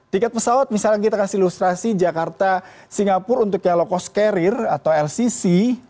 tiket pesawat misalnya kita kasih ilustrasi jakarta singapura untuk yang loko skerir atau lcc